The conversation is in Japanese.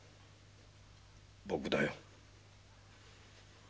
僕だよ。